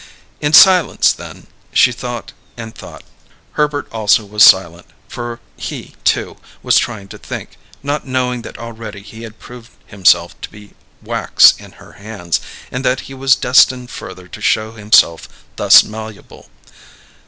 In silence then, she thought and thought. Herbert also was silent, for he, too, was trying to think, not knowing that already he had proved himself to be wax in her hands, and that he was destined further to show himself thus malleable.